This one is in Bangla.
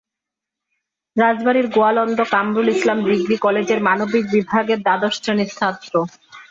রাজবাড়ীর গোয়ালন্দ কামরুল ইসলাম ডিগ্রি কলেজের মানবিক বিভাগের দ্বাদশ শ্রেণির ছাত্র।